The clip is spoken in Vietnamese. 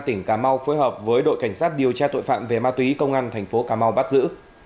tỉnh cà mau phối hợp với đội cảnh sát điều tra tội phạm về ma túy công an thành phố cà mau bắt giữ